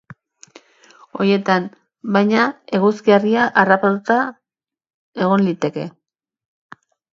Horietan, baina, eguzki argia harrapatuta egon liteke.